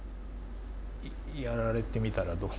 やられてみたらどう。